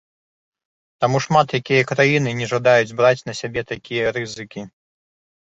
Таму, шмат якія краіны не жадаюць браць на сябе такія рызыкі.